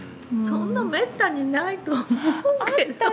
そんなめったにないと思うけど。